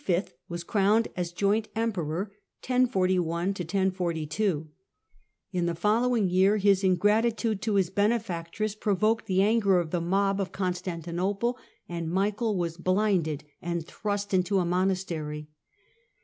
Michael was crowned as joint Emperor in 1041. In the following Joi2^^^' year his ingratitude to his benefactress provoked the anger of the mob of Constantinople, and Michael was blinded and thrust into a monastery.